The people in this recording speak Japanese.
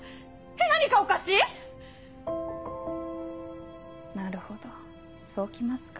何かおかしい⁉なるほどそう来ますか。